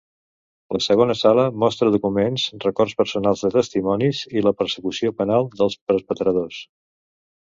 La segona sala mostra documents, records personals de testimonis i la persecució penal dels perpetradors.